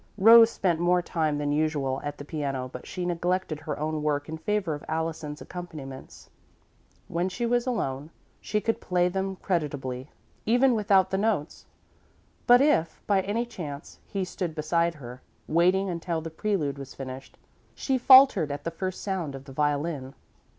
Rose spent more time than usual at the piano but she neglected her own work in favour of Allison's accompaniments. When she was alone, she could play them creditably, even without the notes, but if, by any chance, he stood beside her, waiting until the prelude was finished, she faltered at the first sound of the violin.